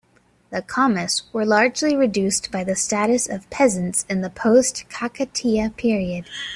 The Kammas were largely reduced by the status of peasants in the post-Kakatiya period.